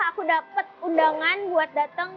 aku dapat undangan buat datang